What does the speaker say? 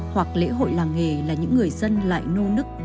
hoặc lễ hội làng nghề là những người dân lại nô nức